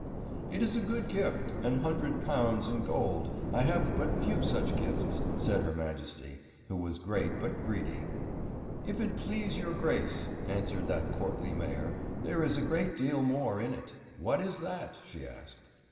"It is a good gift, an hundred pounds in gold; I have but few such gifts," said her Majesty, who was great but greedy. "If it please your Grace," answered that courtly Mayor, "there is a great deal more in it." "What is that?" she asked.